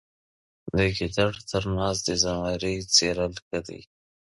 د ګیدړ تر ناز د زمري څیرل ښه دي.